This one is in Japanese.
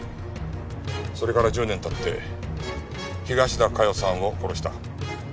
それから１０年経って東田加代さんを殺した。